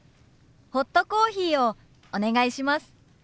ホットコーヒーをお願いします。